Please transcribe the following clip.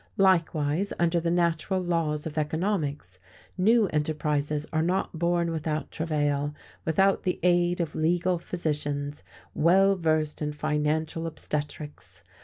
Likewise, under the "natural" laws of economics, new enterprises are not born without travail, without the aid of legal physicians well versed in financial obstetrics.